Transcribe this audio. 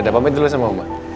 udah dapet dulu sama mama